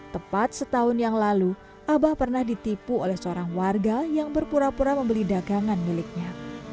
tepat setahun yang lalu abah pernah ditipu oleh seorang warga yang berpura pura membeli dagangan miliknya